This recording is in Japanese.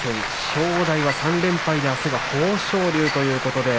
正代３連敗であすは豊昇龍。